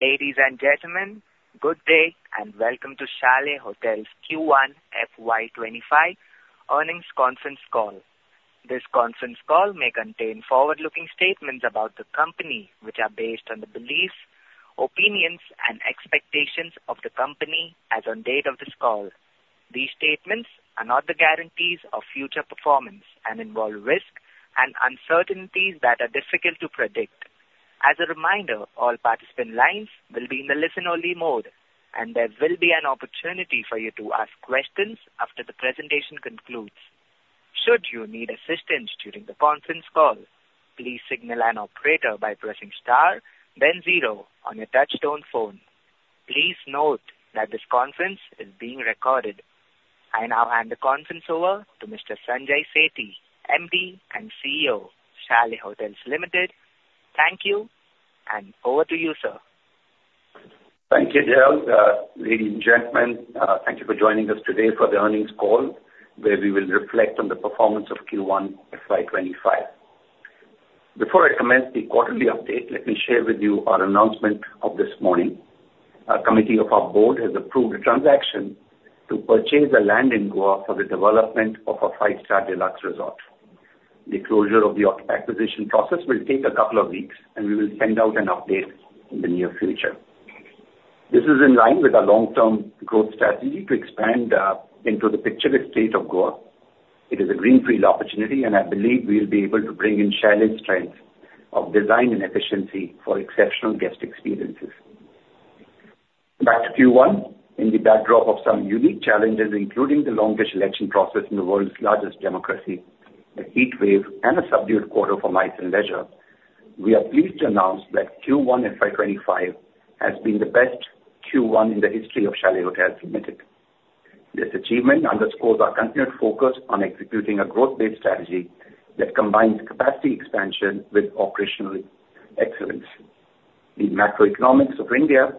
Ladies and gentlemen, good day, and welcome to Chalet Hotels Q1 FY 2025 earnings conference call. This conference call may contain forward-looking statements about the company, which are based on the beliefs, opinions, and expectations of the company as on date of this call. These statements are not the guarantees of future performance and involve risk and uncertainties that are difficult to predict. As a reminder, all participant lines will be in the listen-only mode, and there will be an opportunity for you to ask questions after the presentation concludes. Should you need assistance during the conference call, please signal an operator by pressing star then zero on your touchtone phone. Please note that this conference is being recorded. I now hand the conference over to Mr. Sanjay Sethi, MD and CEO, Chalet Hotels Limited. Thank you, and over to you, sir. Thank you, Daryl. Ladies and gentlemen, thank you for joining us today for the earnings call, where we will reflect on the performance of Q1 FY 2025. Before I commence the quarterly update, let me share with you our announcement of this morning. A committee of our board has approved a transaction to purchase a land in Goa for the development of a five-star deluxe resort. The closure of the acquisition process will take a couple of weeks, and we will send out an update in the near future. This is in line with our long-term growth strategy to expand into the picturesque state of Goa. It is a greenfield opportunity, and I believe we will be able to bring in Chalet's strengths of design and efficiency for exceptional guest experiences. Back to Q1. In the backdrop of some unique challenges, including the longest election process in the world's largest democracy, a heatwave and a subdued quarter for MICE and leisure, we are pleased to announce that Q1 FY 2025 has been the best Q1 in the history of Chalet Hotels Limited. This achievement underscores our continued focus on executing a growth-based strategy that combines capacity expansion with operational excellence. The macroeconomics of India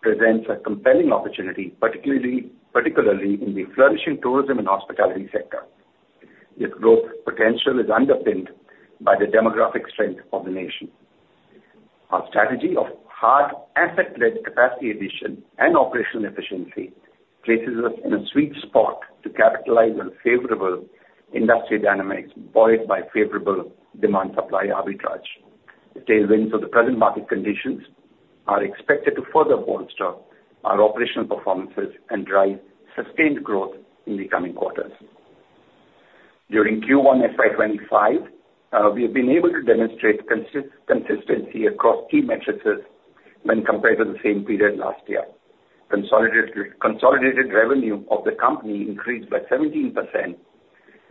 presents a compelling opportunity, particularly in the flourishing tourism and hospitality sector. Its growth potential is underpinned by the demographic strength of the nation. Our strategy of hard asset-led capacity addition and operational efficiency places us in a sweet spot to capitalize on favorable industrial dynamics, buoyed by favorable demand-supply arbitrage. The tailwinds of the present market conditions are expected to further bolster our operational performances and drive sustained growth in the coming quarters. During Q1 FY 2025, we have been able to demonstrate consistency across key metrics when compared to the same period last year. Consolidated revenue of the company increased by 17%,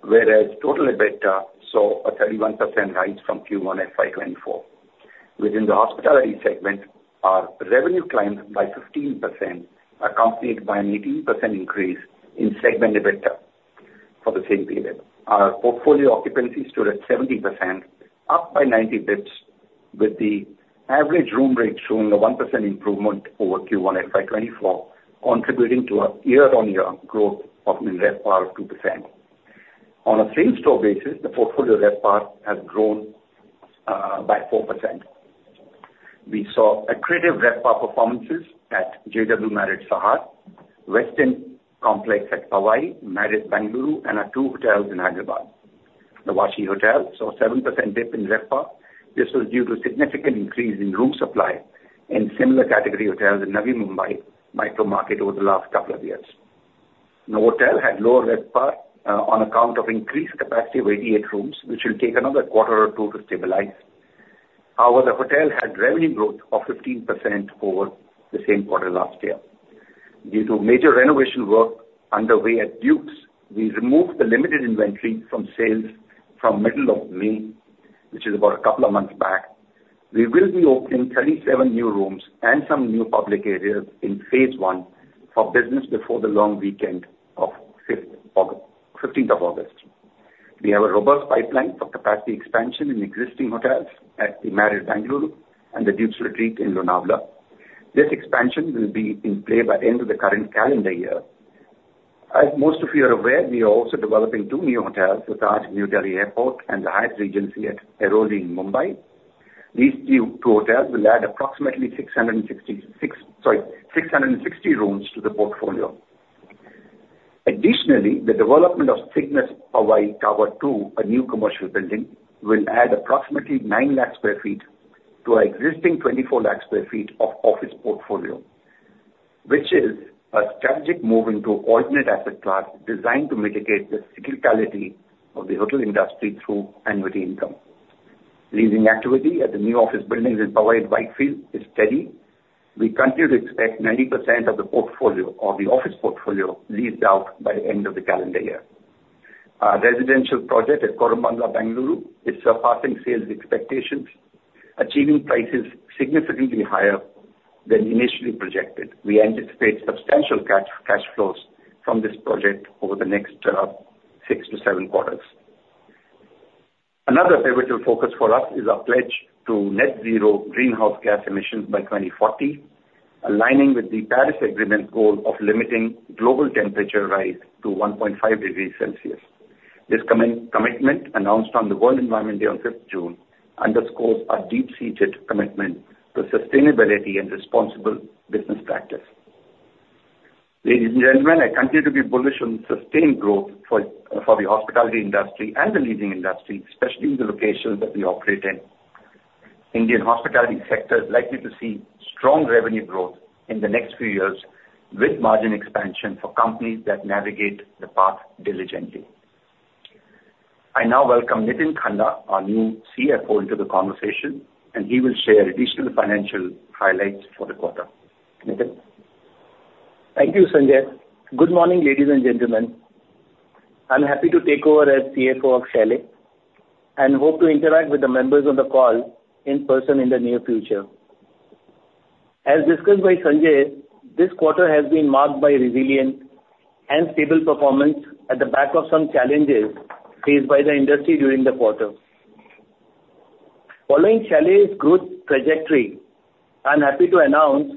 whereas total EBITDA saw a 31% rise from Q1 FY 2024. Within the hospitality segment, our revenue climbed by 15%, accompanied by an 18% increase in segment EBITDA for the same period. Our portfolio occupancy stood at 70%, up by 90 basis points, with the average room rate showing a 1% improvement over Q1 FY 2024, contributing to a year-on-year growth of RevPAR of 2%. On a same-store basis, the portfolio RevPAR has grown by 4%. We saw accretive RevPAR performances at JW Marriott Sahar, Westin complex at Powai, Marriott Bengaluru, and our two hotels in Hyderabad. The Vashi hotel saw a 7% dip in RevPAR. This was due to a significant increase in room supply in similar category hotels in Navi Mumbai micromarket over the last couple of years. The hotel had lower RevPAR on account of increased capacity of 88 rooms, which will take another quarter or two to stabilize. However, the hotel had revenue growth of 15% over the same quarter last year. Due to major renovation work underway at Dukes, we removed the limited inventory from sales from middle of May, which is about a couple of months back. We will be opening 37 new rooms and some new public areas in phase one for business before the long weekend of 15th of August. We have a robust pipeline for capacity expansion in existing hotels at the Marriott Bengaluru and the Dukes Retreat in Lonavala. This expansion will be in play by the end of the current calendar year. As most of you are aware, we are also developing two new hotels, the Taj New Delhi Airport and the Hyatt Regency at Airoli in Mumbai. These two, two hotels will add approximately 666, sorry, 660 rooms to the portfolio. Additionally, the development of Cignus Powai Tower Two, a new commercial building, will add approximately 900,000 sq ft to our existing 2,400,000 sq ft of office portfolio, which is a strategic move into alternate asset class designed to mitigate the cyclicality of the hotel industry through annuity income. Leasing activity at the new office buildings in Powai, Whitefield is steady. We continue to expect 90% of the portfolio or the office portfolio leased out by the end of the calendar year. Our residential project at Koramangala, Bengaluru, is surpassing sales expectations, achieving prices significantly higher than initially projected. We anticipate substantial cash flows from this project over the next six to seven quarters. Another pivotal focus for us is our pledge to net zero greenhouse gas emissions by 2040, aligning with the Paris Agreement goal of limiting global temperature rise to 1.5 degrees Celsius. This commitment announced on the World Environment Day on fifth June underscores our deep-seated commitment to sustainability and responsible business practice. Ladies and gentlemen, I continue to be bullish on sustained growth for the hospitality industry and the leading industry, especially in the locations that we operate in. Indian hospitality sector is likely to see strong revenue growth in the next few years, with margin expansion for companies that navigate the path diligently. I now welcome Nitin Khanna, our new CFO, into the conversation, and he will share additional financial highlights for the quarter. Nitin? Thank you, Sanjay. Good morning, ladies and gentlemen. I'm happy to take over as CFO of Chalet, and hope to interact with the members on the call in person in the near future. As discussed by Sanjay, this quarter has been marked by resilient and stable performance at the back of some challenges faced by the industry during the quarter. Following Chalet's growth trajectory, I'm happy to announce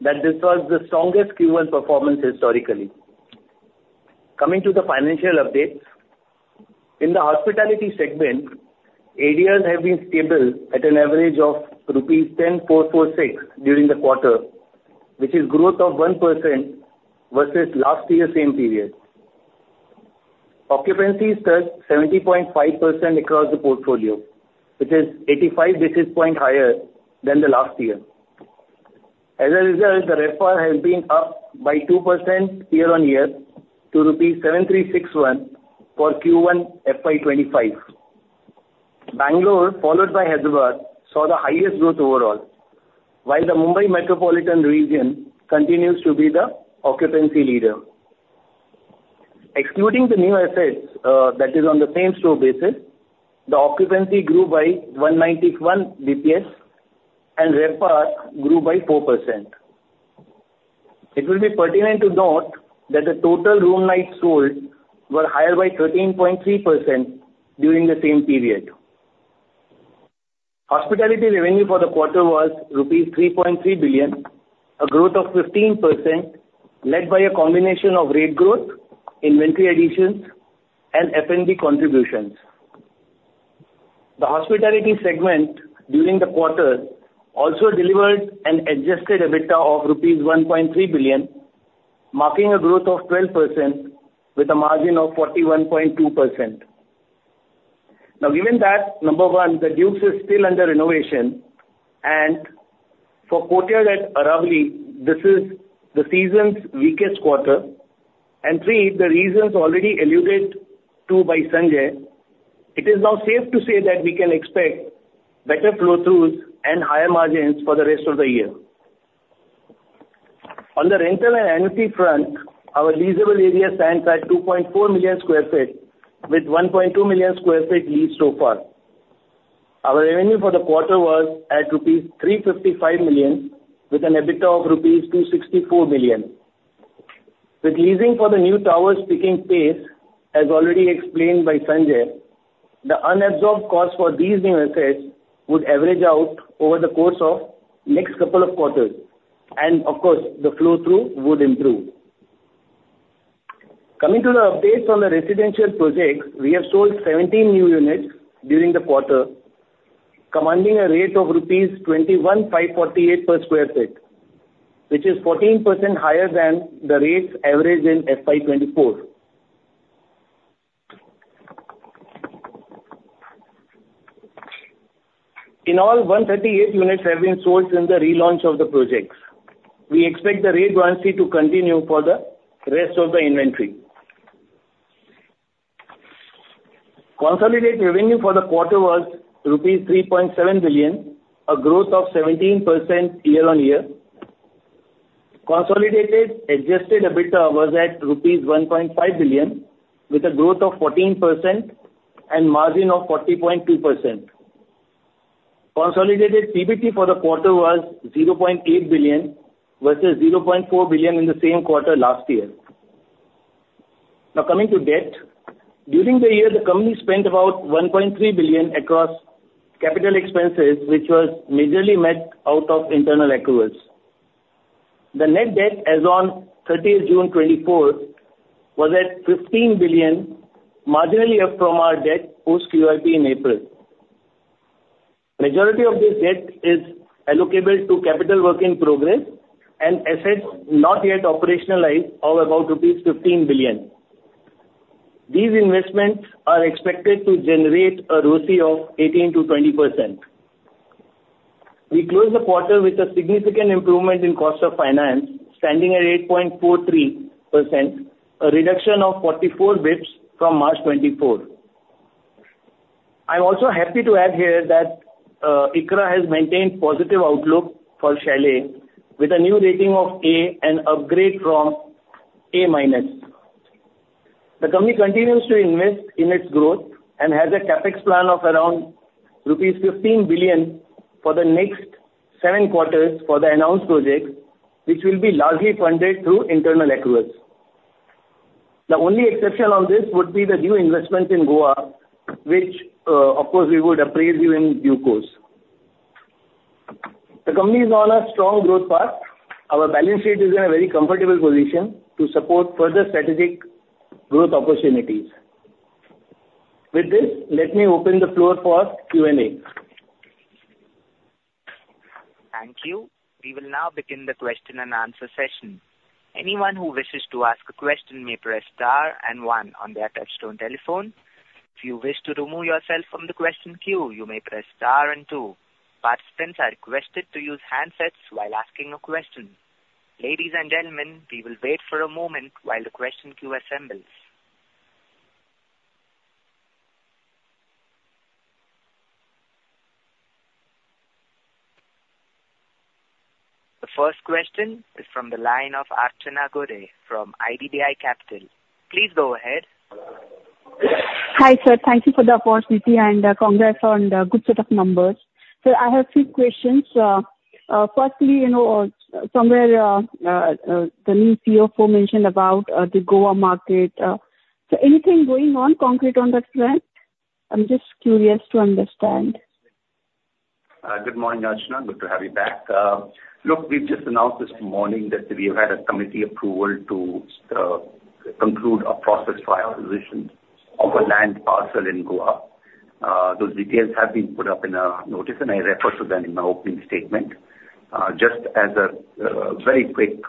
that this was the strongest Q1 performance historically. Coming to the financial updates, in the hospitality segment, ADRs have been stable at an average of rupees 10,446 during the quarter, which is growth of 1% versus last year same period. Occupancy is at 70.5% across the portfolio, which is 85 basis point higher than the last year. As a result, the RevPAR has been up by 2% year-on-year to rupees 7,361 for Q1, FY 2025. Bengaluru, followed by Hyderabad, saw the highest growth overall, while the Mumbai metropolitan region continues to be the occupancy leader. Excluding the new assets, that is on the same-store basis, the occupancy grew by 191 BPS, and RevPAR grew by 4%. It will be pertinent to note that the total room nights sold were higher by 13.3% during the same period. Hospitality revenue for the quarter was rupees 3.3 billion, a growth of 15%, led by a combination of rate growth, inventory additions, and F&B contributions. The hospitality segment during the quarter also delivered an adjusted EBITDA of rupees 1.3 billion, marking a growth of 12% with a margin of 41.2%. Now, given that, number one, The Dukes Retreat is still under renovation, and for Courtyard Aravali Resort, this is the season's weakest quarter, and three, the reasons already alluded to by Sanjay, it is now safe to say that we can expect better flow-throughs and higher margins for the rest of the year. On the rental and annuity front, our leasable area stands at 2.4 million sq ft, with 1.2 million sq ft leased so far. Our revenue for the quarter was at rupees 355 million, with an EBITDA of rupees 264 million. With leasing for the new towers picking pace, as already explained by Sanjay, the unabsorbed costs for these new assets would average out over the course of next couple of quarters, and of course, the flow-through would improve. Coming to the updates on the residential projects, we have sold 17 new units during the quarter, commanding a rate of rupees 21,548 per sq ft, which is 14% higher than the rates averaged in FY 2024. In all, 138 units have been sold since the relaunch of the projects. We expect the rate buoyancy to continue for the rest of the inventory. Consolidated revenue for the quarter was rupees 3.7 billion, a growth of 17% year-on-year. Consolidated adjusted EBITDA was at rupees 1.5 billion, with a growth of 14% and margin of 40.2%. Consolidated PBT for the quarter was 0.8 billion, versus 0.4 billion in the same quarter last year. Now, coming to debt. During the year, the company spent about 1.3 billion across capital expenses, which was majorly met out of internal accruals. The net debt as on 13th June 2024, was at 15 billion, marginally up from our debt post QIP in April. Majority of this debt is allocable to capital work in progress and assets not yet operationalized of about rupees 15 billion. These investments are expected to generate a ROCE of 18%-20%. We closed the quarter with a significant improvement in cost of finance, standing at 8.43%, a reduction of 44 basis points from March 2024. I'm also happy to add here that, ICRA has maintained positive outlook for Chalet, with a new rating of A, an upgrade from A minus. The company continues to invest in its growth and has a CapEx plan of around rupees 15 billion for the next seven quarters for the announced projects, which will be largely funded through internal accruals. The only exception on this would be the new investments in Goa, which, of course, we would apprise you in due course. The company is on a strong growth path. Our balance sheet is in a very comfortable position to support further strategic growth opportunities. With this, let me open the floor for Q&A. Thank you. We will now begin the question-and-answer session. Anyone who wishes to ask a question may press star and one on their touchtone telephone. If you wish to remove yourself from the question queue, you may press star and two. Participants are requested to use handsets while asking a question. Ladies and gentlemen, we will wait for a moment while the question queue assembles. The first question is from the line of Archana Gude from IDBI Capital. Please go ahead. Hi, sir. Thank you for the opportunity, and congrats on the good set of numbers. I have three questions. Firstly, you know, somewhere the new CFO mentioned about the Goa market. Anything going on concrete on that front? I'm just curious to understand. Good morning, Archana. Good to have you back. Look, we've just announced this morning that we have had a committee approval to conclude a process for our acquisition of a land parcel in Goa. Those details have been put up in a notice, and I referred to them in my opening statement. Just as a very quick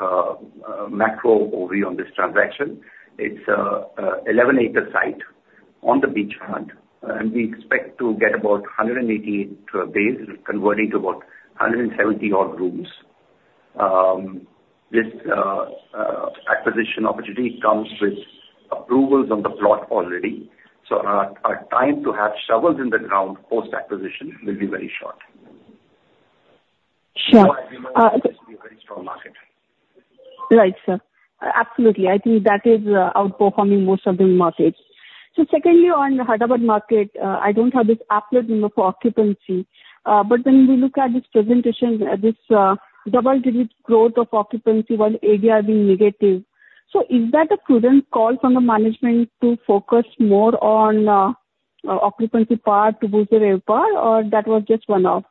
macro overview on this transaction, it's a 11-acre site on the beachfront, and we expect to get about 188 beds, converting to about 170-odd rooms. This acquisition opportunity comes with approvals on the plot already, so our time to have shovels in the ground post-acquisition will be very short. Sure. Uh- A very strong market. Right, sir. Absolutely. I think that is, outperforming most other markets. So secondly, on Hyderabad market, I don't have this accurate number for occupancy. But when we look at this presentation, this, double-digit growth of occupancy while ADR being negative. So is that a prudent call from the management to focus more on, occupancy part to boost the RevPAR, or that was just one-off?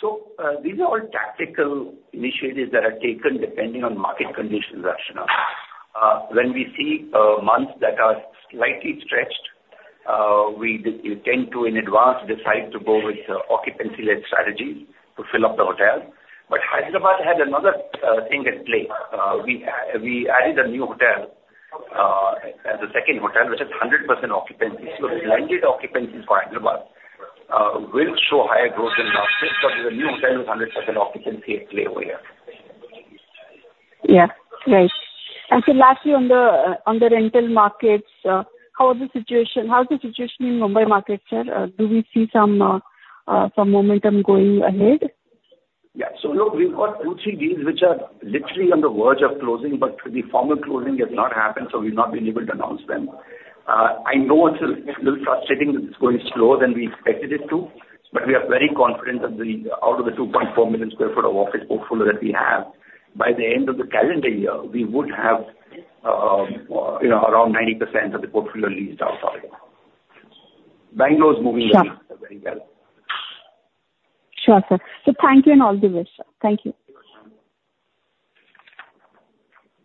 So, these are all tactical initiatives that are taken depending on market conditions, Archana. When we see months that are slightly stretched, we tend to, in advance, decide to go with the occupancy-led strategy to fill up the hotel. But Hyderabad had another thing at play. We added a new hotel, as a second hotel, which is 100% occupancy. So blended occupancies for Hyderabad will show higher growth than last year, so the new hotel with 100% occupancy at play over here. Yeah, right. And so lastly, on the rental markets, how is the situation in Mumbai market, sir? Do we see some momentum going ahead? Yeah. So look, we've got two, three deals which are literally on the verge of closing, but the formal closing has not happened, so we've not been able to announce them. I know it's a little frustrating that it's going slower than we expected it to, but we are very confident that the, out of the 2.4 million sq ft of office portfolio that we have, by the end of the calendar year, we would have, you know, around 90% of the portfolio leased out for you. Bangalore is moving- Sure. Very well. Sure, sir. So thank you and all the best, sir. Thank you.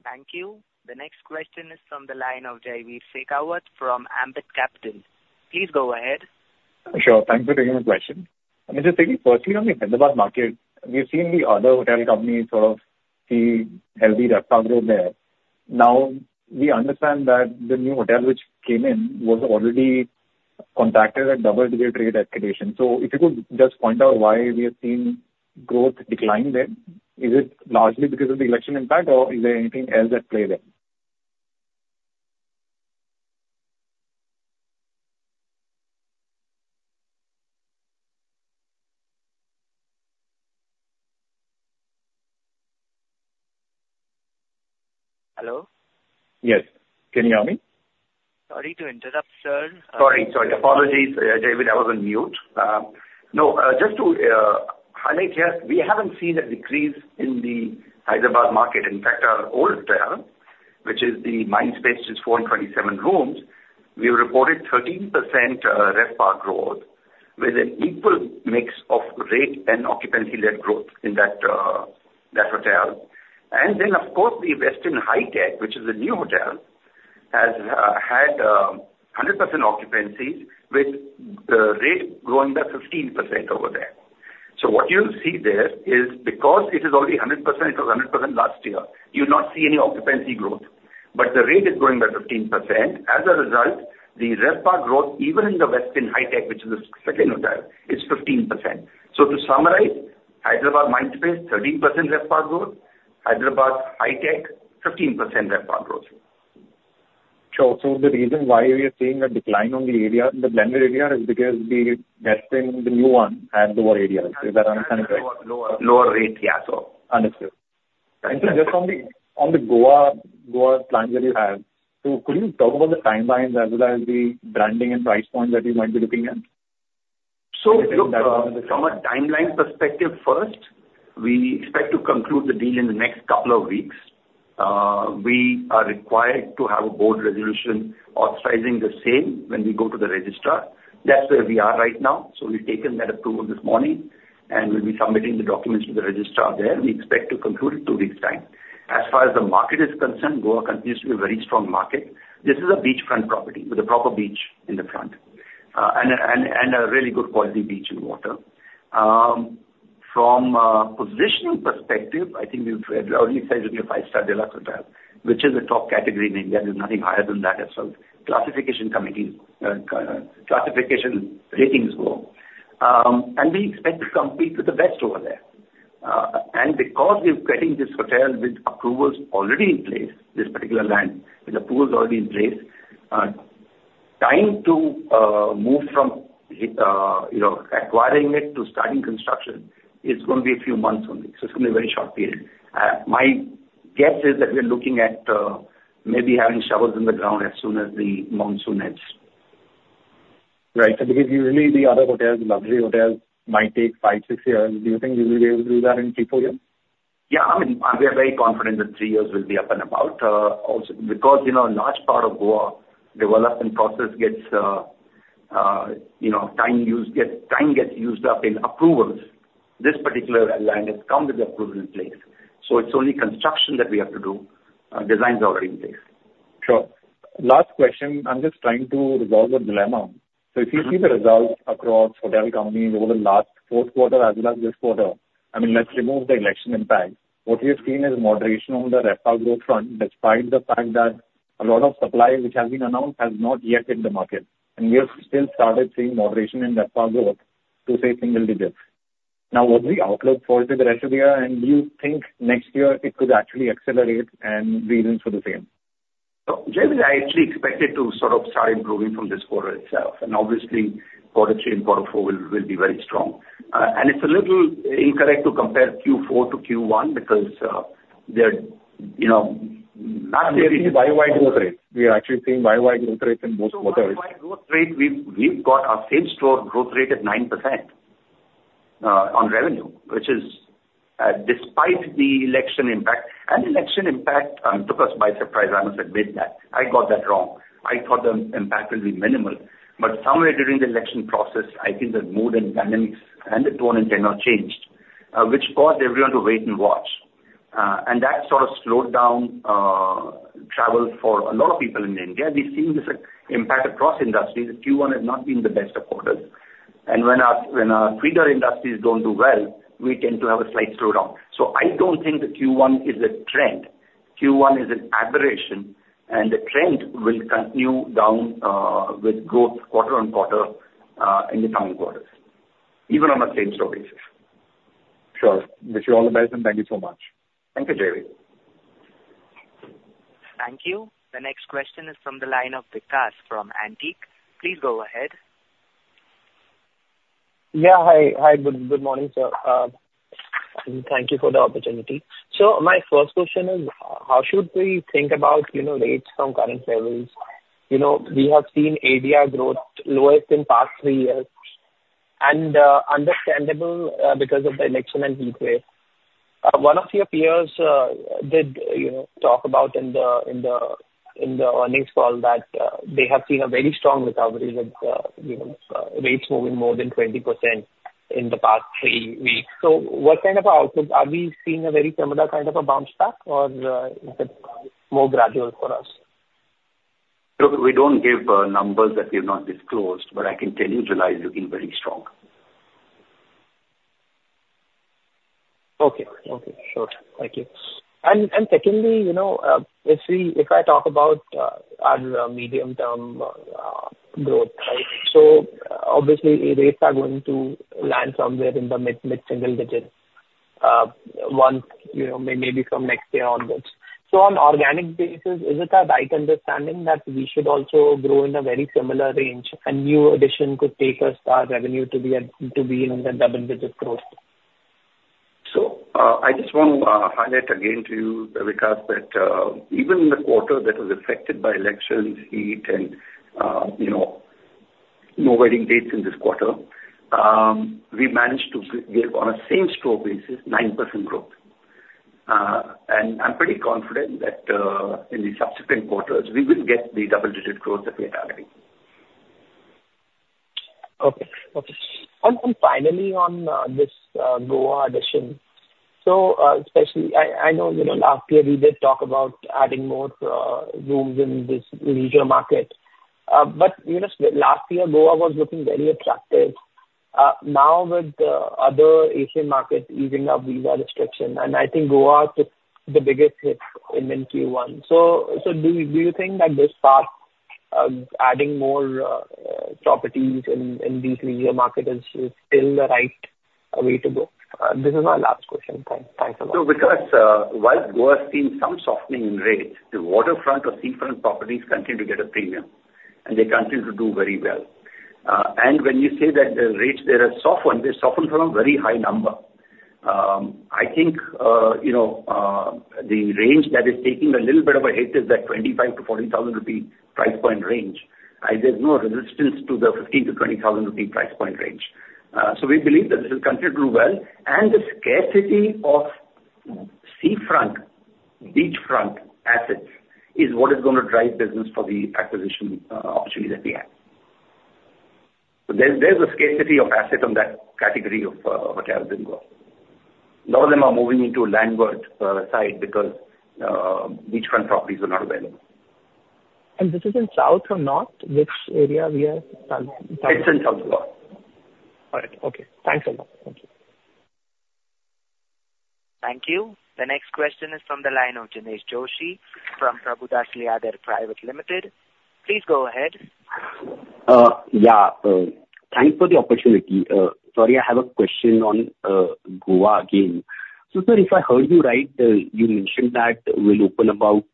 Thank you. The next question is from the line of Jaiveer Shekhawat from Ambit Capital. Please go ahead. Sure. Thank you for taking the question. I mean, just thinking personally on the Hyderabad market, we've seen the other hotel companies sort of see healthy RevPAR growth there. Now, we understand that the new hotel which came in was already contracted at double-digit rate accreditation. So if you could just point out why we have seen growth decline there? Is it largely because of the election impact, or is there anything else at play there? Hello? Yes. Can you hear me? Sorry to interrupt, sir. Sorry, sorry. Apologies, Jaiveer, I was on mute. No, just to highlight here, we haven't seen a decrease in the Hyderabad market. In fact, our old hotel, which is the Mindspace, which is 427 rooms, we reported 13% RevPAR growth with an equal mix of rate and occupancy-led growth in that hotel. And then, of course, the Westin Hitec, which is a new hotel, has had 100% occupancy with the rate growing by 15% over there. So what you'll see there is because it is already 100%, it was 100% last year, you'll not see any occupancy growth, but the rate is growing by 15%. As a result, the RevPAR growth, even in the Westin Hitec, which is the second hotel, is 15%. So to summarize, Hyderabad Mindspace, 13% RevPAR growth. Hyderabad Hitec, 15% RevPAR growth. Sure. So the reason why we are seeing a decline on the ADR, the blended ADR, is because the Westin, the new one, has lower ADR. Did I understand it right? Lower, lower rate, yeah, so. Understood. And so just on the Goa plans that you have, so could you talk about the timelines as well as the branding and price point that you might be looking at? So look, from a timeline perspective first, we expect to conclude the deal in the next couple of weeks. We are required to have a board resolution authorizing the same when we go to the registrar. That's where we are right now. So we've taken that approval this morning, and we'll be submitting the documents to the registrar there. We expect to conclude it two weeks' time. As far as the market is concerned, Goa continues to be a very strong market. This is a beachfront property with a proper beach in the front, and a really good quality beach and water. From a positioning perspective, I think we've said, already said it will be a five-star deluxe hotel, which is a top category in India. There's nothing higher than that as far as classification committee, classification ratings go. And we expect to compete with the best over there. And because we're getting this hotel with approvals already in place, this particular land, with approvals already in place, time to move from, you know, acquiring it to starting construction is going to be a few months only. So it's going to be a very short period. My guess is that we are looking at maybe having shovels in the ground as soon as the monsoon ends. Right. Because usually the other hotels, luxury hotels, might take five tot six years. Do you think you will be able to do that in three, four years? Yeah, I mean, we are very confident that three years will be up and about. Also because, you know, a large part of Goa development process gets, you know, time gets used up in approvals. This particular land has come with the approval in place, so it's only construction that we have to do. Designs are already in place. Sure. Last question, I'm just trying to resolve a dilemma. Mm-hmm. So if you see the results across hotel companies over the last fourth quarter as well as this quarter, I mean, let's remove the election impact. What we have seen is moderation on the RevPAR growth front, despite the fact that a lot of supply, which has been announced, has not yet hit the market, and we have still started seeing moderation in RevPAR growth to, say, single digits. Now, what's the outlook for the rest of the year, and do you think next year it could actually accelerate and reason for the same? So Jaiveer, I actually expect it to sort of start improving from this quarter itself. And obviously, quarter three and quarter four will be very strong. And it's a little incorrect to compare Q4 to Q1 because, uh, they're, you know, not- We are seeing year-over-year growth rates. We are actually seeing year-over-year growth rates in both quarters. So Y-Y growth rate, we've got our same store growth rate at 9%, on revenue, which is despite the election impact. And election impact took us by surprise. I must admit that. I got that wrong. I thought the impact will be minimal, but somewhere during the election process, I think the mood and dynamics and the tone in general changed, which caused everyone to wait and watch. And that sort of slowed down travel for a lot of people in India. We've seen this impact across industries. Q1 has not been the best of quarters. And when our feeder industries don't do well, we tend to have a slight slowdown. So I don't think the Q1 is a trend. Q1 is an aberration, and the trend will continue down, with growth quarter-over-quarter, in the coming quarters, even on a same store basis. Sure. Wish you all the best, and thank you so much. Thank you, Jaiveer. Thank you. The next question is from the line of Vikas from Antique. Please go ahead. Yeah. Hi, good morning, sir. Thank you for the opportunity. So my first question is, how should we think about, you know, rates from current levels? You know, we have seen ADR growth lowest in past three years, and understandable, because of the election and heat wave. One of your peers did, you know, talk about in the earnings call that they have seen a very strong recovery with, you know, rates moving more than 20% in the past three weeks. So what kind of an outlook? Are we seeing a very similar kind of a bounce back, or is it more gradual for us? Look, we don't give numbers that we've not disclosed, but I can tell you July is looking very strong. Okay. Okay, sure. Thank you. And secondly, you know, if I talk about our medium-term growth, right? So obviously, rates are going to land somewhere in the mid-single digits, once you know, maybe from next year onwards. So on organic basis, is it a right understanding that we should also grow in a very similar range, and new addition could take us, our revenue to be at, to be in the double-digit growth? So, I just want to highlight again to you, Vikas, that even in the quarter that was affected by elections, heat and, you know, no wedding dates in this quarter, we managed to give, give on a same store basis, 9% growth. And I'm pretty confident that in the subsequent quarters, we will get the double-digit growth that we are targeting. Okay. Okay. And finally, on this Goa addition. So, especially I know, you know, last year we did talk about adding more rooms in this leisure market. But, you know, last year Goa was looking very attractive. Now with the other Asian markets easing up visa restriction, and I think Goa took the biggest hit in Q1. So do you think that this path, adding more properties in these leisure markets is still the right way to go? This is my last question. Thanks a lot. So, because, while Goa has seen some softening in rates, the waterfront or seafront properties continue to get a premium, and they continue to do very well. And when you say that the rates there have softened, they softened from a very high number. I think, you know, the range that is taking a little bit of a hit is that 25,000-40,000 rupee price point range. There's no resistance to the 15,000-20,000 rupee price point range. So we believe that this will continue to do well, and the scarcity of seafront, beachfront assets is what is going to drive business for the acquisition opportunities that we have. So there's a scarcity of assets on that category of what I have been going. A lot of them are moving into a landward side because beachfront properties are not available. This is in south or north? Which area we are talking about? It's in south Goa. All right. Okay. Thanks a lot. Thank you. Thank you. The next question is from the line of Jinesh Joshi from Prabhudas Lilladher Private Limited. Please go ahead. Yeah, thanks for the opportunity. Sorry, I have a question on Goa again. So sir, if I heard you right, you mentioned that we'll open about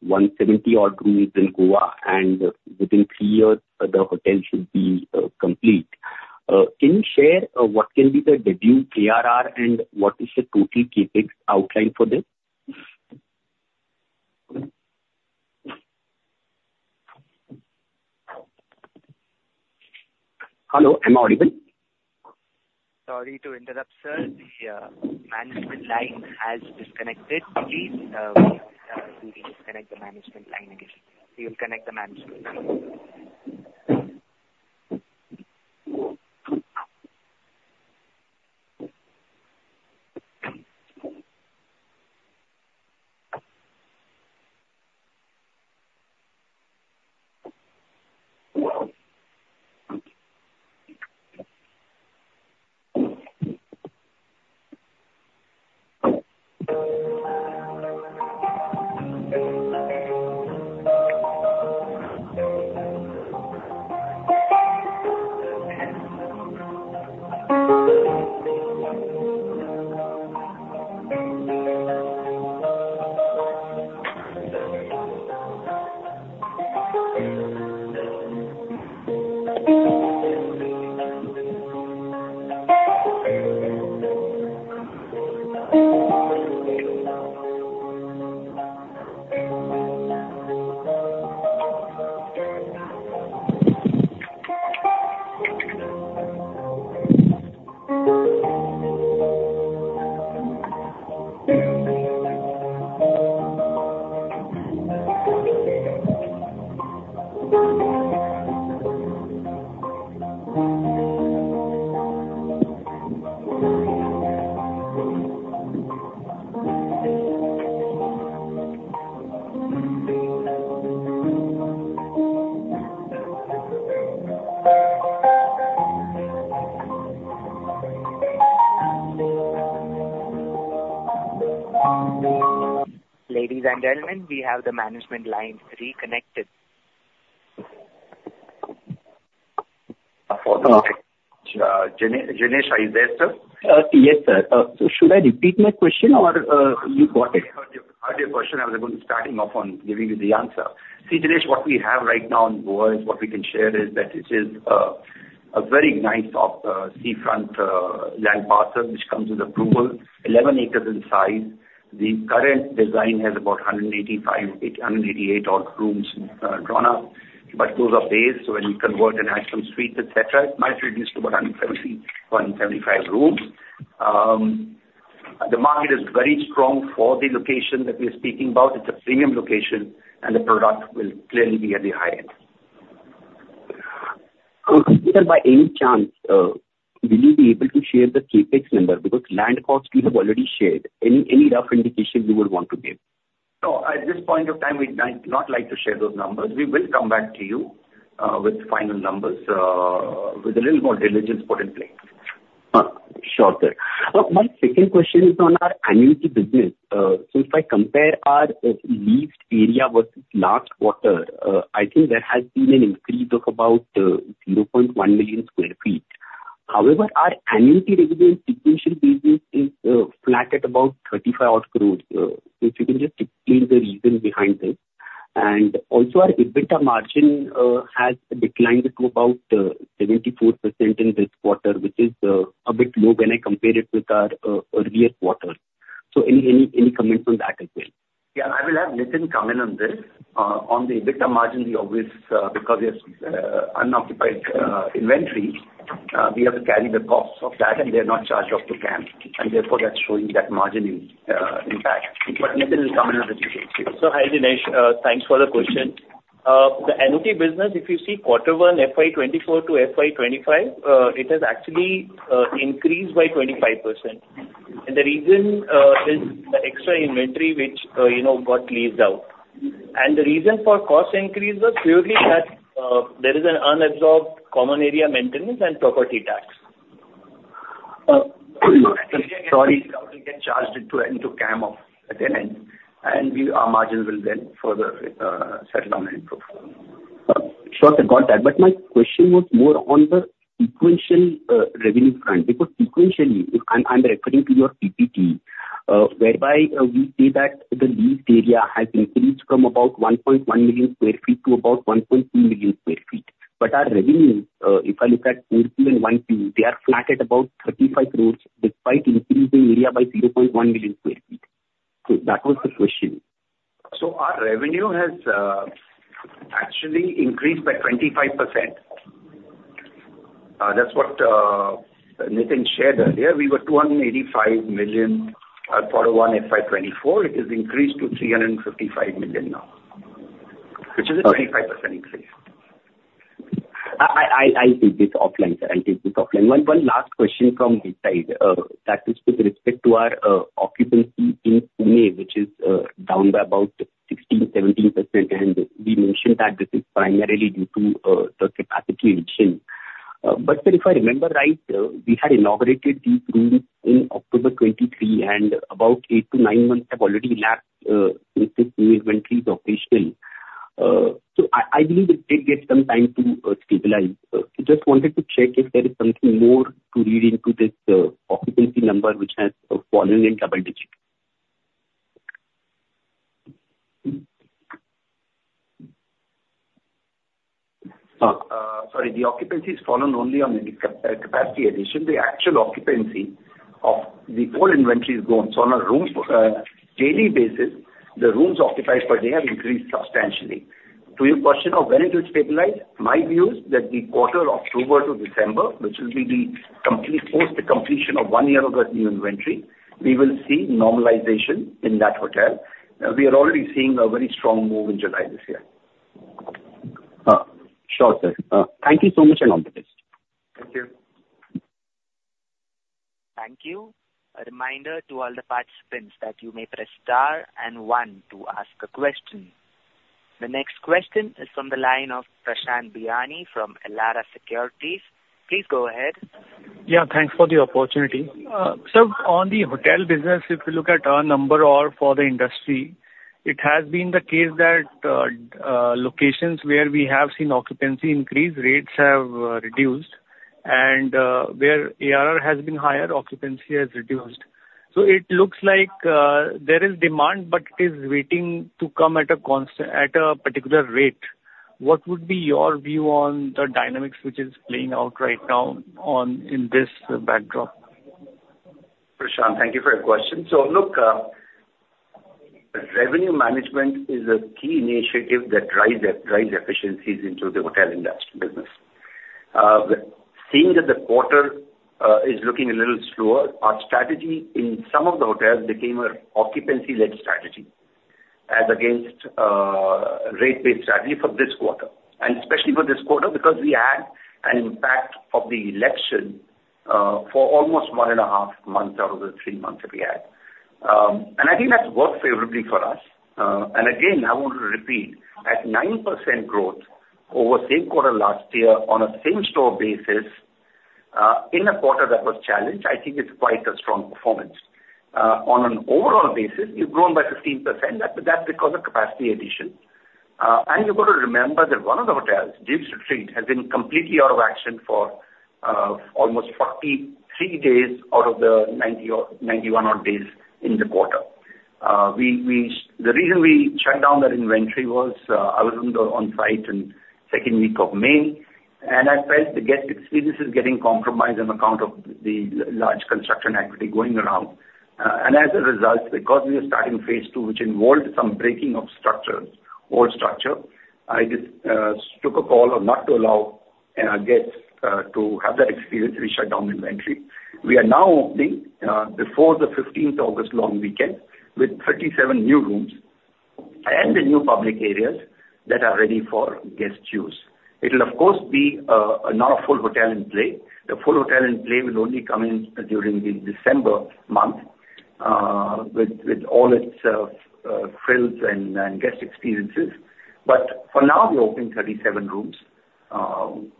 170 odd rooms in Goa, and within three years, the hotel should be complete. Can you share what can be the debut ARR and what is the total CapEx outline for this? Hello, am I audible? Sorry to interrupt, sir. The management line has disconnected. Please reconnect the management line again. We will connect the management line. Ladies and gentlemen, we have the management line reconnected. Jinesh, Jinesh, are you there, sir? Yes, sir. So should I repeat my question or you got it? I heard your question. I was going to start off on giving you the answer. See, Jinesh, what we have right now in Goa is, what we can share is that it is a very nice seafront land parcel, which comes with approval, 11 acres in size. The current design has about 185, 188-odd rooms drawn up, but those are based, when you convert and add some suites, et cetera, it might reduce to about 170, 175 rooms. The market is very strong for the location that we are speaking about. It's a premium location, and the product will clearly be at the high end. Sir, by any chance, will you be able to share the CapEx number? Because land costs you have already shared. Any rough indication you would want to give? No, at this point of time, we'd not, not like to share those numbers. We will come back to you, with final numbers, with a little more diligence put in place. Sure, sir. My second question is on our annuity business. So if I compare our leased area versus last quarter, I think there has been an increase of about 0.1 million sq ft. However, our annuity revenue on a sequential basis is flat at about 35 odd crores. If you can just explain the reason behind this. And also our EBITDA margin has declined to about 74% in this quarter, which is a bit low when I compare it with our earlier quarters. So any comment on that as well? Yeah, I will have Nitin come in on this. On the EBITDA margin, we always, because we have, unoccupied, inventory, we have to carry the costs of that and they are not charged off to CAM, and therefore, that's showing that margin, impact. But Nitin will come in on the details. Sir. Hi, Jinesh. Thanks for the question. The annuity business, if you see Q1, FY 2024-FY 2025, it has actually increased by 25%. And the reason is the extra inventory, which, you know, got leased out. And the reason for cost increase was purely that, there is an unabsorbed common area maintenance and property tax. Sorry, get charged into CAM of a tenant, and our margins will then further settle down and improve. Sure. I got that, but my question was more on the sequential revenue front, because sequentially, if I'm referring to your PPT, whereby we see that the leased area has increased from about 1.1 million sq ft to about 1.2 million sq ft. But our revenue, if I look at Q2 and Q1, they are flat at about 35 crores, despite increasing area by 0.1 million sq ft. So that was the question. So our revenue has actually increased by 25%. That's what Nitin shared earlier. We were 285 million quarter one FY 2024, it has increased to 355 million now, which is a 25% increase. I take this offline, sir. I take this offline. One last question from my side, that is with respect to our occupancy in Pune, which is down by about 16%-17%, and we mentioned that this is primarily due to the capacity addition. But sir, if I remember right, we had inaugurated these rooms in October 2023, and about eight to nine months have already elapsed since this new inventory is operational. So I believe it did get some time to stabilize. Just wanted to check if there is something more to read into this occupancy number, which has fallen in double digits. Sorry, the occupancy has fallen only on the capacity addition. The actual occupancy of the whole inventory is grown. So on a room, daily basis, the rooms occupied per day have increased substantially. To your question of when it will stabilize, my view is that the quarter October to December, which will be the complete post the completion of one year of that new inventory, we will see normalization in that hotel. We are already seeing a very strong move in July this year. Sure, sir. Thank you so much, and all the best. Thank you. Thank you. A reminder to all the participants that you may press star and one to ask a question. The next question is from the line of Prashant Biyani from Elara Securities. Please go ahead. Yeah, thanks for the opportunity. So on the hotel business, if you look at our number or for the industry, it has been the case that locations where we have seen occupancy increase, rates have reduced, and where ARR has been higher, occupancy has reduced. So it looks like there is demand, but it is waiting to come at a particular rate. What would be your view on the dynamics which is playing out right now on in this backdrop? Prashant, thank you for your question. So look, revenue management is a key initiative that drives, drives efficiencies into the hotel industry business. Seeing that the quarter is looking a little slower, our strategy in some of the hotels became a occupancy-led strategy as against, rate-based strategy for this quarter, and especially for this quarter, because we had an impact of the election, for almost one and a half months out of the three months that we had. And I think that's worked favorably for us. And again, I want to repeat, at 9% growth over same quarter last year on a same-store basis, in a quarter that was challenged, I think it's quite a strong performance. On an overall basis, we've grown by 15%, that- that's because of capacity addition. And you've got to remember that one of the hotels, Dukes Retreat, has been completely out of action for almost 43 days out of the 90 or 91 odd days in the quarter. The reason we shut down that inventory was, I was on site in second week of May, and I felt the guest experiences getting compromised on account of the large construction activity going around. And as a result, because we were starting phase two, which involved some breaking of structures, old structure, I just took a call on not to allow guests to have that experience. We shut down the inventory. We are now opening before the 15th August long weekend, with 37 new rooms and the new public areas that are ready for guests' use. It'll of course be not a full hotel in play. The full hotel in play will only come in during the December month with all its frills and guest experiences. But for now, we're opening 37 rooms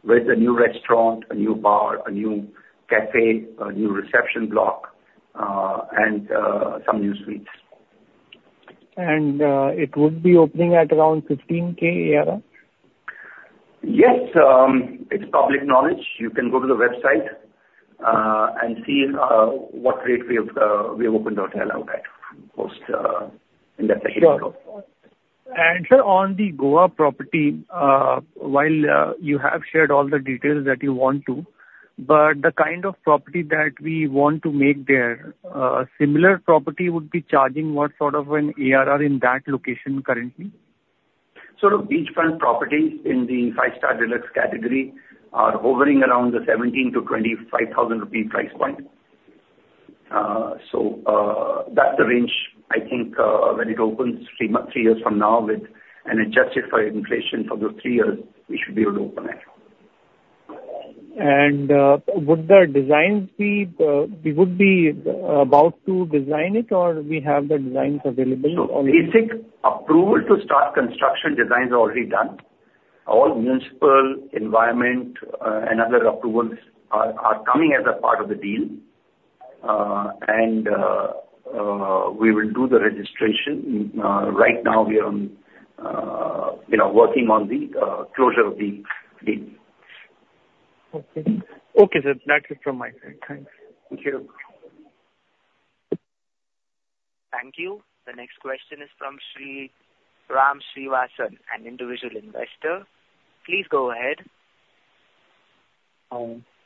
with a new restaurant, a new bar, a new cafe, a new reception block, and some new suites. It would be opening at around 15,000 ARR? Yes, it's public knowledge. You can go to the website, and see what rate we have. We have opened the hotel out at post in the previous year. Sure. And sir, on the Goa property, while you have shared all the details that you want to, but the kind of property that we want to make there, similar property would be charging what sort of an ARR in that location currently? So the beachfront properties in the five-star deluxe category are hovering around the 17,000-25,000 rupee price point. That's the range I think, when it opens three months, three years from now, with an adjusted for inflation for the three years, we should be able to open it. Would the designs be, we would be about to design it, or we have the designs available already? Basic approval to start construction designs are already done. All municipal, environmental, and other approvals are coming as a part of the deal. And we will do the registration. Right now, we are, you know, working on the closure of the deal. Okay. Okay, sir. That's it from my end. Thanks. Thank you. Thank you. The next question is from Sriram Srinivasan, an individual investor. Please go ahead.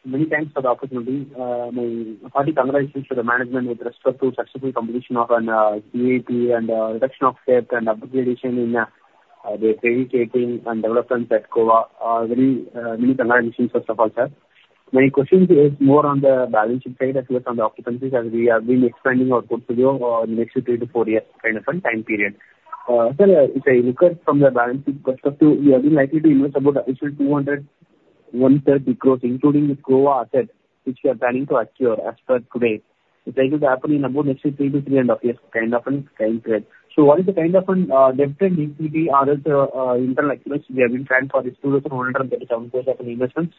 Many thanks for the opportunity. My hearty congratulations to the management with respect to successful completion of a CIP and reduction of debt and upgrade addition in the credit checking and developments at Goa. Very many congratulations, first of all, sir. My question is more on the balance sheet side as well as on the occupancy, as we have been expanding our portfolio in the next three to four years, kind of time period. If I look at from the balance sheet perspective, we have been likely to invest about additional 201.33 crore, including the Goa asset, which we are planning to acquire as per today. It's likely to happen in about next three to three and a half years, kind of time period. So, what is the kind of debt to EBITDA or is internal accruals we have been planning for this 2,001-term investment?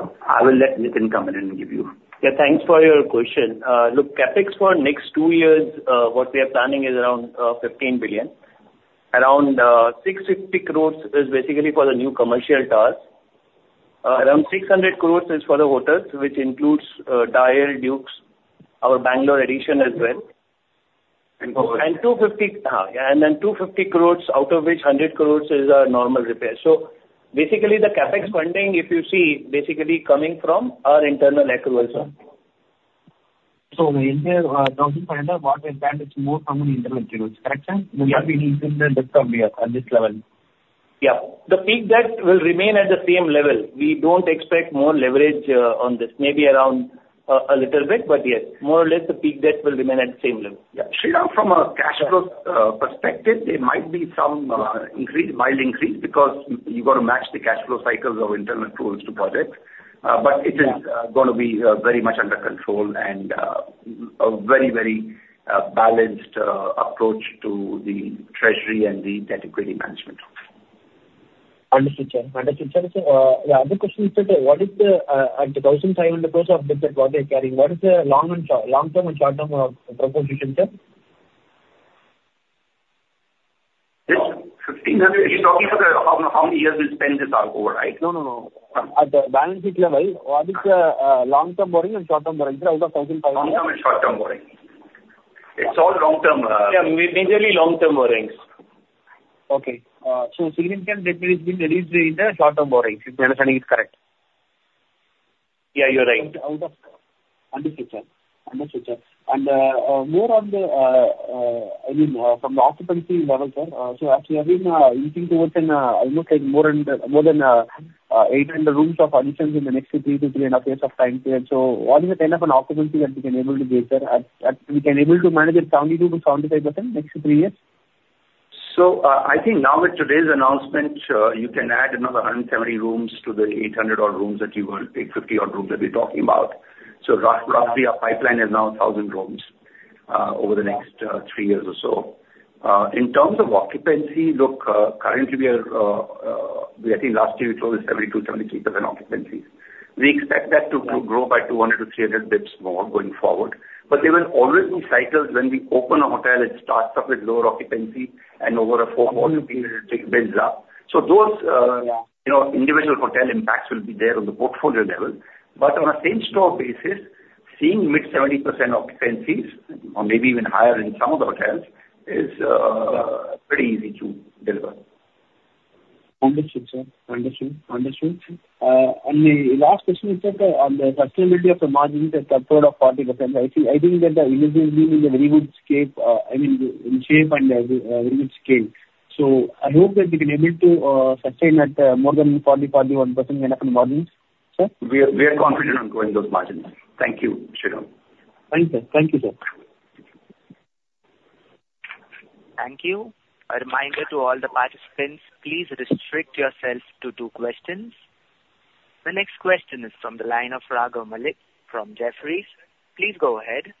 I will let Nitin come in and give you. Yeah, thanks for your question. Look, CapEx for next two years, what we are planning is around 15 billion. Around 650 crores is basically for the new commercial towers. Around 600 crores is for the hotels, which includes the Dukes, our Bengaluru addition as well. And Goa. And 250, and then 250 crore, out of which 100 crore is our normal repair. So basically, the CapEx funding, if you see, basically coming from our internal accrual, sir. The entire INR 1,500, what we planned is more from an internal accruals, correct, sir? Yeah. We have been using this from here at this level. Yeah. The peak debt will remain at the same level. We don't expect more leverage, on this. Maybe around, a little bit, but yes, more or less, the peak debt will remain at the same level. Yeah. Sriram, from a cash flow perspective, there might be some increase, mild increase, because you got to match the cash flow cycles of internal tools to projects. But it is- Yeah going to be very much under control and a very, very balanced approach to the treasury and the debt equity management. Understood, sir. Understood, sir. So, the other question is that, what is the, at the 1,500 crore of debt that you are carrying, what is the long and short, long-term and short-term, proportion, sir? INR 1,500, are you talking about how, how many years we spend this out over, right? No, no, no. At the balance sheet level, what is the long-term borrowing and short-term borrowing, sir, out of INR 1,500? Long-term and short-term borrowing. It's all long-term. Yeah, majorly long-term borrowings. Okay, so significant debt has been released in the short-term borrowings, if my understanding is correct? Yeah, you're right. Understood, sir. Understood, sir. And, more on the, I mean, from the occupancy model, sir. So as we have been looking towards in, I look like more than, more than, 800 rooms of additions in the next three to 3.5 years of time period. So what is the kind of an occupancy that we can able to get there? We can able to manage it 72%-75% next three years? So, I think now with today's announcement, you can add another 170 rooms to the 800-odd rooms that you were, 850-odd rooms that we're talking about. So roughly, our pipeline is now 1,000 rooms, over the next, three years or so. In terms of occupancy, look, currently, we are, I think last year we closed at 72%-73% occupancies. We expect that to, to grow by 200-300 bps more going forward. But there will always be cycles when we open a hotel, it starts off with lower occupancy and over a four more period, it builds up. So those, Yeah. You know, individual hotel impacts will be there on the portfolio level. But on a same store basis, seeing mid-70% occupancies or maybe even higher in some of the hotels is pretty easy to deliver. Understood, sir. Understood. Understood. And the last question is that on the sustainability of the margins at upward of 40%, I think, I think that the business is in a very good scale, I mean, in shape and very good scale. So I hope that we can able to sustain at more than 40%, 41% kind of margins, sir. We are confident on growing those margins. Thank you, Sriram. Thank you. Thank you, sir. Thank you. A reminder to all the participants, please restrict yourselves to two questions. The next question is from the line of Raghav Malik from Jefferies. Please go ahead.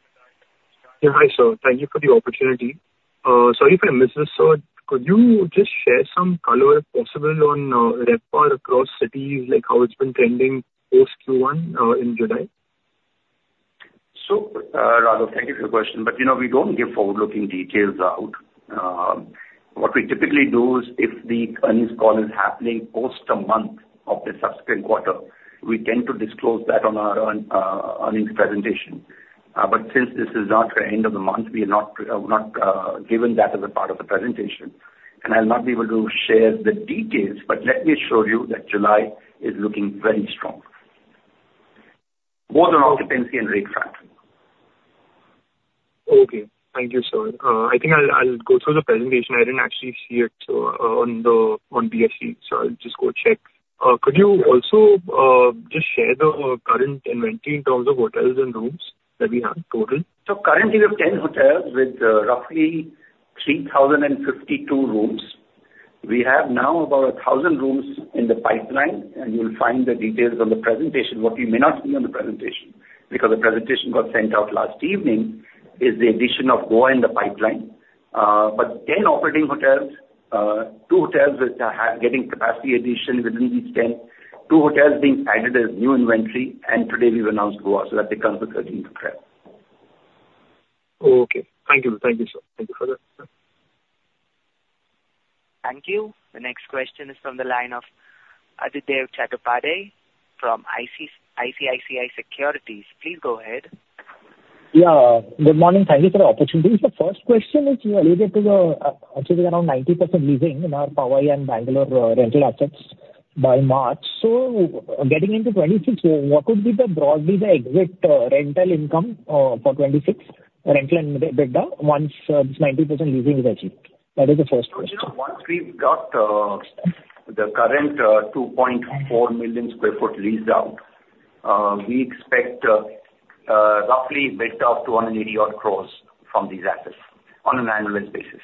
Yeah, hi, sir. Thank you for the opportunity. Sorry if I missed this, sir. Could you just share some color, if possible, on RevPAR across cities, like how it's been trending post Q1 in July? So, Raghav, thank you for your question, but you know, we don't give forward-looking details out. What we typically do is if the earnings call is happening post a month of the subsequent quarter, we tend to disclose that on our earnings presentation. But since this is not the end of the month, we have not given that as a part of the presentation. And I'll not be able to share the details, but let me assure you that July is looking very strong, both on occupancy and rate track. Okay, thank you, sir. I think I'll go through the presentation. I didn't actually see it, so on BSC, so I'll just go check. Could you also just share the current inventory in terms of hotels and rooms that we have total? So currently, we have 10 hotels with roughly 3,052 rooms. We have now about 1,000 rooms in the pipeline, and you'll find the details on the presentation. What you may not see on the presentation, because the presentation got sent out last evening, is the addition of Goa in the pipeline. But 10 operating hotels, two hotels which are getting capacity addition within these 10, two hotels being added as new inventory, and today we've announced Goa, so that becomes the 13th hotel. Okay. Thank you. Thank you, sir. Thank you for that. Thank you. The next question is from the line of Adhidev Chattopadhyay from ICICI Securities. Please go ahead. Yeah. Good morning. Thank you for the opportunity. The first question is, you alluded to the, actually around 90% leasing in our Powai and Bengaluru, rental assets by March. So getting into 2026, what would be the, broadly the exit, rental income, for 2026, rental and EBITDA, once, this 90% leasing is achieved? That is the first question. So, you know, once we've got the current 2.4 million sq ft leased out, we expect roughly EBITDA of 280 odd crores from these assets on an annual basis.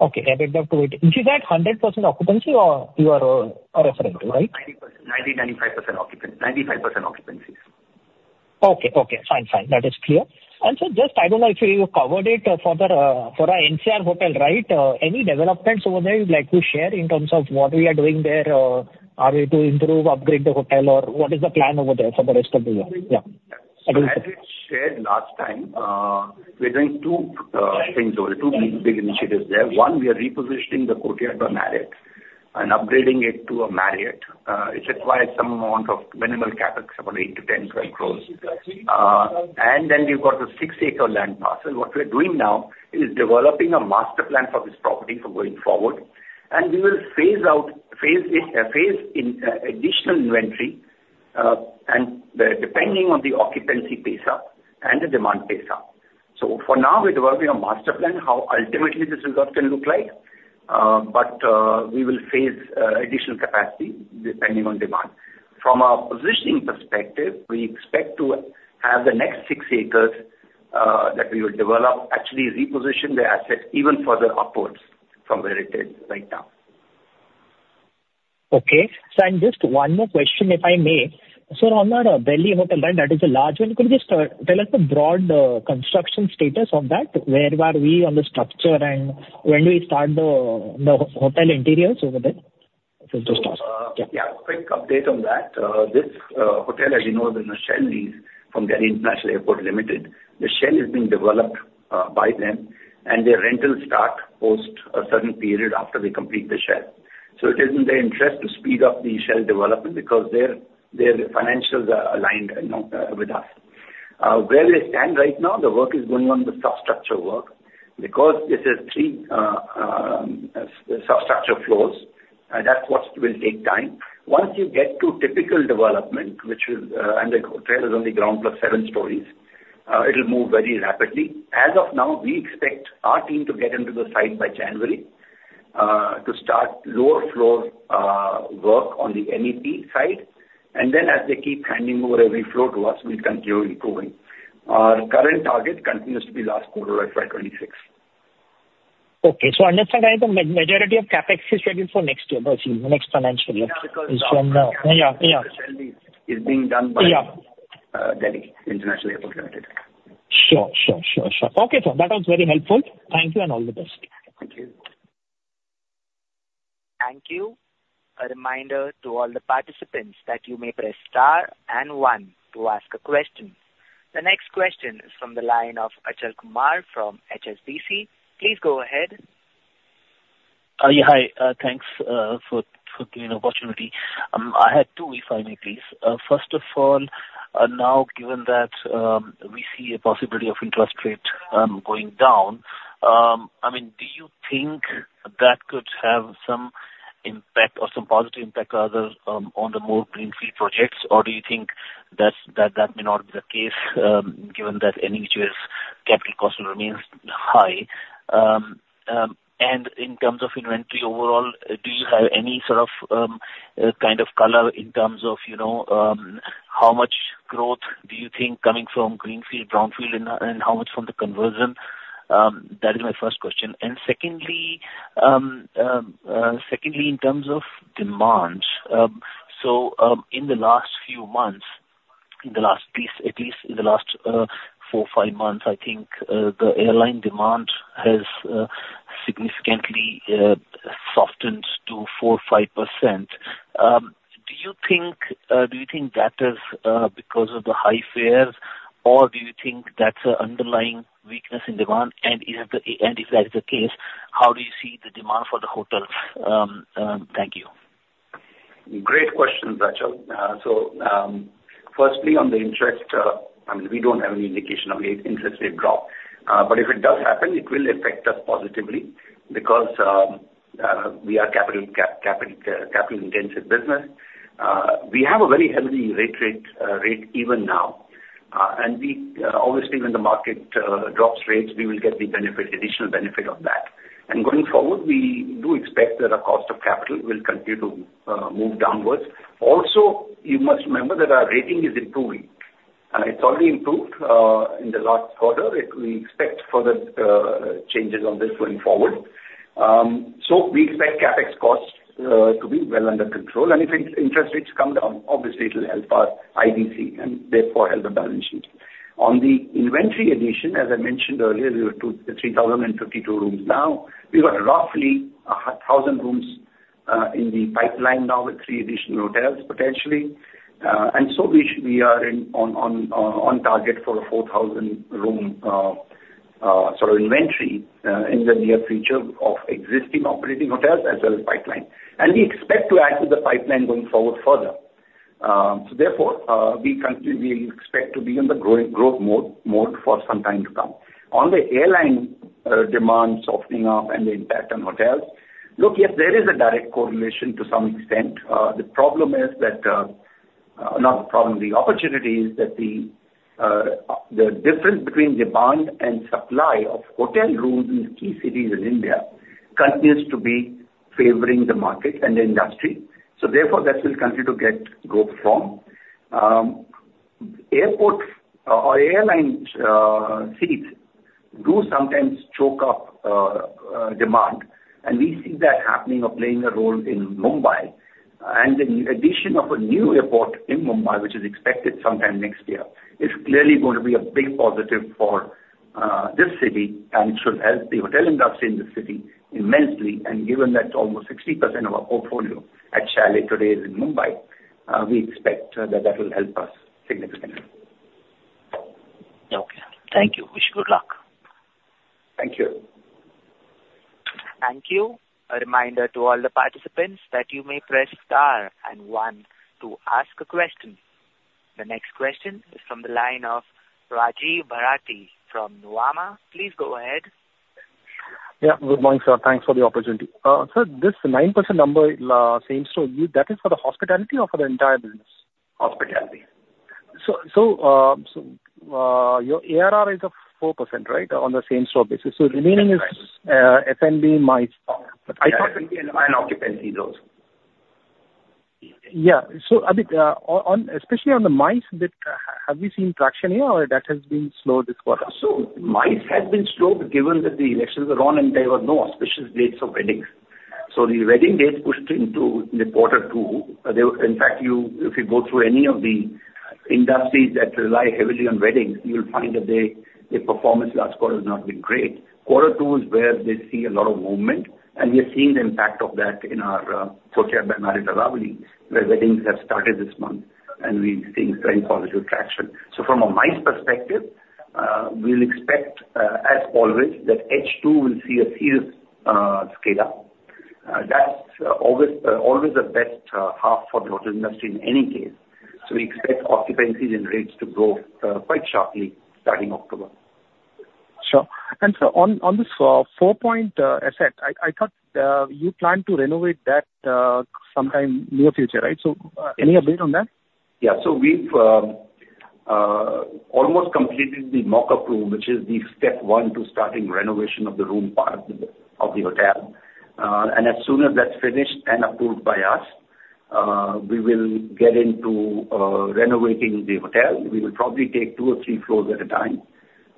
Okay, EBITDA of 20. Into that 100% occupancy or you are referring to, right? 90%. 90%, 95% occupancy. 95% occupancy. Okay. Okay, fine. Fine. That is clear. And so just I don't know if you covered it for the, for our NCR hotel, right? Any developments over there you'd like to share in terms of what we are doing there? Are we to improve, upgrade the hotel, or what is the plan over there for the rest of the year? Yeah. As we shared last time, we're doing two things over there, two big, big initiatives there. One, we are repositioning the Courtyard by Marriott and upgrading it to a Marriott. It requires some amount of minimal CapEx, about 8-10 crore. And then we've got the six acre land parcel. What we're doing now is developing a master plan for this property for going forward, and we will phase in additional inventory, and depending on the occupancy pace up and the demand pace up. So for now, we're developing a master plan, how ultimately this resort can look like, but we will phase additional capacity depending on demand. From a positioning perspective, we expect to have the next six acres that we will develop, actually reposition the assets even further upwards from where it is right now. Okay. And just one more question, if I may. Sir, on our Delhi hotel, right, that is a large one. Could you just tell us the broad construction status on that? Where are we on the structure, and when do we start the hotel interiors over there? Just ask. Yeah, quick update on that. This hotel, as you know, is in a shell lease from Delhi International Airport Limited. The shell is being developed by them, and their rentals start post a certain period after they complete the shell. So it is in their interest to speed up the shell development because their financials are aligned, you know, with us. Where we stand right now, the work is going on the substructure work, because this is three substructure floors, and that's what will take time. Once you get to typical development, which is, and the hotel is on the ground plus seven stories, it'll move very rapidly. As of now, we expect our team to get into the site by January to start lower floor work on the MEP side. And then, as they keep handing over every floor to us, we'll continue improving. Our current target continues to be last quarter of FY 2026. Okay. Understand, right, the majority of CapEx is scheduled for next year, or next financial year? Yeah, because- Yeah. Yeah. is being done by Yeah. Delhi International Airport Limited. Sure, sure, sure, sure. Okay, sir, that was very helpful. Thank you, and all the best. Thank you. Thank you. A reminder to all the participants that you may press star and one to ask a question. The next question is from the line of Achal Kumar from HSBC. Please go ahead. Yeah, hi. Thanks for giving an opportunity. I had two, if I may please. First of all, now, given that we see a possibility of interest rate going down, I mean, do you think that could have some impact or some positive impact rather on the more greenfield projects? Or do you think that's, that, that may not be the case, given that NHs capital cost remains high? And in terms of inventory overall, do you have any sort of kind of color in terms of, you know, how much growth do you think coming from greenfield, brownfield, and how much from the conversion? That is my first question. Secondly, in terms of demand, so, in the last few months, in the last piece, at least in the last four to five months, I think, the airline demand has significantly softened to 4%-5%. Do you think, do you think that is because of the high fares, or do you think that's a underlying weakness in demand? And if that is the case, how do you see the demand for the hotels? Thank you. Great question, Achal. So, firstly, on the interest, I mean, we don't have any indication of a interest rate drop, but if it does happen, it will affect us positively because we are capital-intensive business. We have a very healthy rate even now. And we obviously, when the market drops rates, we will get the benefit, additional benefit of that. And going forward, we do expect that our cost of capital will continue to move downwards. Also, you must remember that our rating is improving. It's already improved in the last quarter. We expect further changes on this going forward. So we expect CapEx costs to be well under control, and if interest rates come down, obviously it'll help our IBC, and therefore, help the balance sheet. On the inventory addition, as I mentioned earlier, we were 2,352 rooms. Now, we've got roughly 1,000 rooms in the pipeline now with three additional hotels, potentially. And so we are in on target for a 4,000-room sort of inventory in the near future of existing operating hotels as well as pipeline. And we expect to add to the pipeline going forward further. So therefore, we continue, we expect to be in the growing growth mode, mode for some time to come. On the airline demand softening up and the impact on hotels, look, yes, there is a direct correlation to some extent. The problem is that, not the problem, the opportunity is that the difference between demand and supply of hotel rooms in key cities in India continues to be favoring the market and the industry. So therefore, that will continue to get growth from. Airport or airline seats do sometimes choke up demand, and we see that happening or playing a role in Mumbai. And the addition of a new airport in Mumbai, which is expected sometime next year, is clearly going to be a big positive for this city, and it should help the hotel industry in this city immensely. Given that almost 60% of our portfolio at Chalet today is in Mumbai, we expect that that will help us significantly. Okay. Thank you. Wish you good luck. Thank you. Thank you. A reminder to all the participants that you may press star and one to ask a question. The next question is from the line of Rajiv Bharati from Nuvama. Please go ahead. Yeah, good morning, sir. Thanks for the opportunity. Sir, this 9% number, same store, that is for the hospitality or for the entire business? Hospitality. So, your ARR is of 4%, right? On the same store basis. So the remaining is- That's right. F&B, MICE. I thought it'd be, and occupancy those. Yeah. So, I think, especially on the MICE bit, have we seen traction here or that has been slow this quarter? So MICE had been slow, given that the elections were on and there were no auspicious dates for weddings. So the wedding dates pushed into quarter two. They were. In fact, you, if you go through any of the industries that rely heavily on weddings, you'll find that their, their performance last quarter has not been great. Quarter two is where they see a lot of movement, and we are seeing the impact of that in our Courtyard by Marriott Aravali, where weddings have started this month, and we've seen very positive traction. So from a MICE perspective, we'll expect, as always, that H2 will see a serious scale up. That's always, always the best half for the hotel industry in any case. So we expect occupancies and rates to grow quite sharply starting October. Sure. And so on, on this Four Points asset, I, I thought you planned to renovate that sometime near future, right? So, any update on that? Yeah. So we've almost completed the mock-up room, which is the step one to starting renovation of the room part of the hotel. And as soon as that's finished and approved by us, we will get into renovating the hotel. We will probably take two or three floors at a time,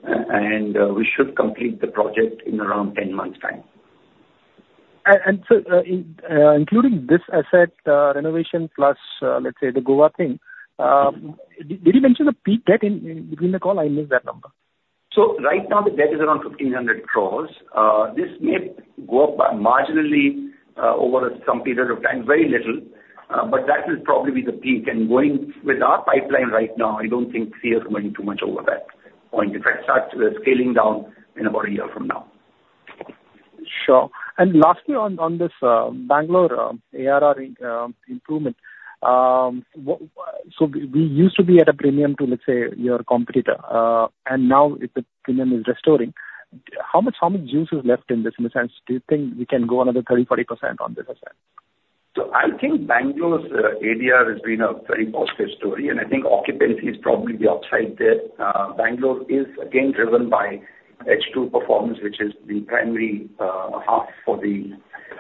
and we should complete the project in around 10 months' time. Including this asset, renovation plus, let's say, the Goa thing, did you mention the peak debt in between the call? I missed that number. So right now the debt is around 1,500 crore. This may go up by marginally, over some period of time, very little, but that will probably be the peak. And going with our pipeline right now, I don't think see us going too much over that point. In fact, start scaling down in about a year from now. Sure. And lastly, on this Bengaluru ARR improvement, we used to be at a premium to, let's say, your competitor, and now the premium is restoring. How much juice is left in this? In the sense, do you think we can go another 30%-40% on this asset? So I think Bengaluru's ADR has been a very positive story, and I think occupancy is probably the upside there. Bengaluru is again driven by H2 performance, which is the primary half for the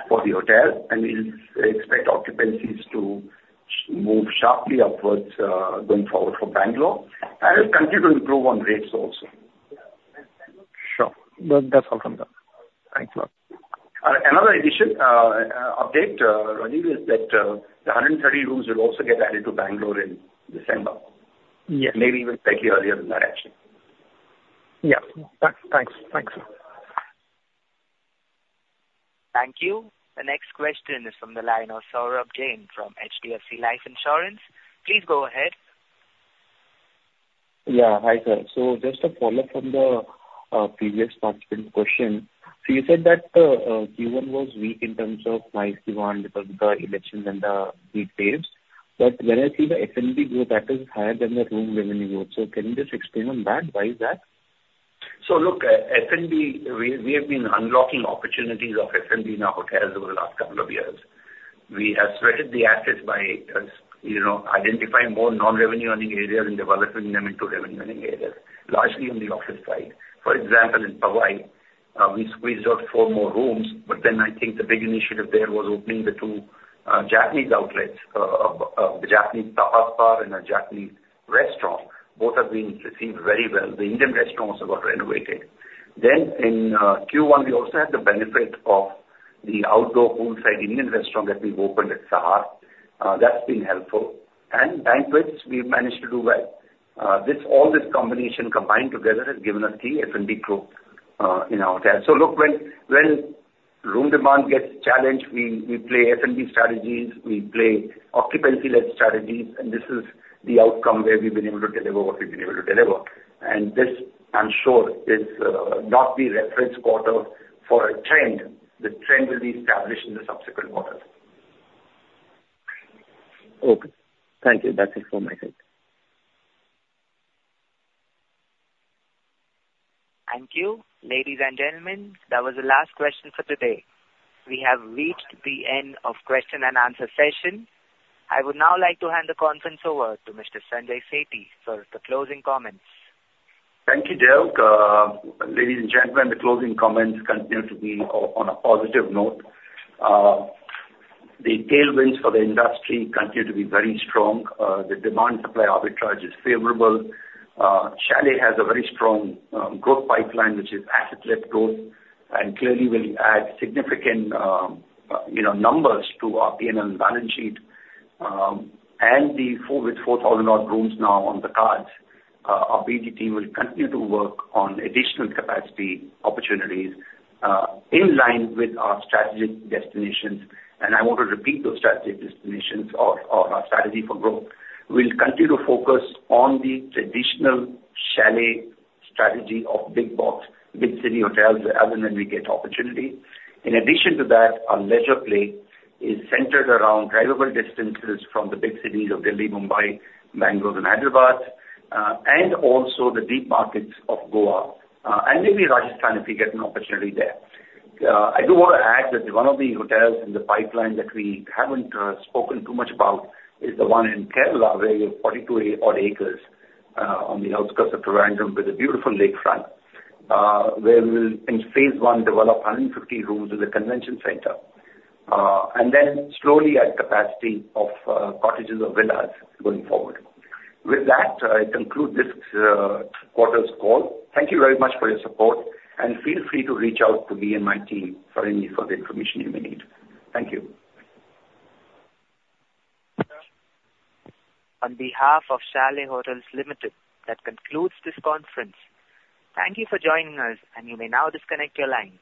hotel, and we expect occupancies to move sharply upwards, going forward for Bengaluru, and we'll continue to improve on rates also. Sure. That, that's all from me. Thanks a lot. Another addition, update, Rajiv, is that the 130 rooms will also get added to Bangalore in December. Yes. Maybe even slightly earlier than that actually. Yeah. Thanks. Thanks. Thanks. Thank you. The next question is from the line of Saurabh Jain from HDFC Life Insurance. Please go ahead. Yeah. Hi, sir. So just a follow-up from the previous participant question. So you said that Q1 was weak in terms of MICE demand because of the elections and the heat waves. But when I see the F&B growth, that is higher than the room revenue growth. So can you just explain on that? Why is that? So look, F&B, we have been unlocking opportunities of F&B in our hotels over the last couple of years. We have stretched the assets by, as you know, identifying more non-revenue earning areas and developing them into revenue earning areas, largely on the office side. For example, in Powai, we squeezed out four more rooms, but then I think the big initiative there was opening the two Japanese outlets, the Japanese tapas bar and a Japanese restaurant. Both have been received very well. The Indian restaurant also got renovated. Then in Q1, we also had the benefit of the outdoor poolside Indian restaurant that we've opened at Sahar. That's been helpful. And banquets, we've managed to do well. This, all this combination combined together has given us the F&B growth in our hotel. So look, when, when-... Room demand gets challenged, we play F&B strategies, we play occupancy-led strategies, and this is the outcome where we've been able to deliver what we've been able to deliver. And this, I'm sure, is not the reference quarter for a trend. The trend will be established in the subsequent quarters. Okay. Thank you. That's it from my side. Thank you. Ladies and gentlemen, that was the last question for today. We have reached the end of question-and-answer session. I would now like to hand the conference over to Mr. Sanjay Sethi for the closing comments. Thank you, Daryl. Ladies and gentlemen, the closing comments continue to be on a positive note. The tailwinds for the industry continue to be very strong. The demand-supply arbitrage is favorable. Chalet has a very strong growth pipeline, which is asset-led growth, and clearly will add significant, you know, numbers to our PNL balance sheet. With 4,000-odd rooms now on the cards, our BD team will continue to work on additional capacity opportunities in line with our strategic destinations. I want to repeat those strategic destinations or our strategy for growth. We'll continue to focus on the traditional Chalet strategy of big box, big city hotels, wherever and when we get opportunity. In addition to that, our leisure play is centered around drivable distances from the big cities of Delhi, Mumbai, Bengaluru, and Hyderabad, and also the beach markets of Goa, and maybe Rajasthan, if we get an opportunity there. I do want to add that one of the hotels in the pipeline that we haven't spoken too much about is the one in Kerala, where you have 42 odd acres on the outskirts of Trivandrum, with a beautiful lakefront, where we'll, in phase one, develop 150 rooms with a convention center, and then slowly add capacity of cottages or villas going forward. With that, I conclude this quarter's call. Thank you very much for your support, and feel free to reach out to me and my team for any further information you may need. Thank you. On behalf of Chalet Hotels Limited, that concludes this conference. Thank you for joining us, and you may now disconnect your line.